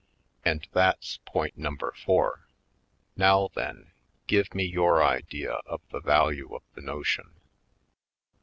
And that's point number four. Now then, give me your idea of the value of the notion?"